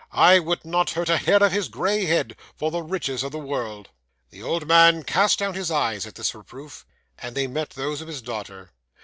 I would not hurt a hair of his gray head, for the riches of the world." 'The old man cast down his eyes at this reproof, and they met those of his daughter.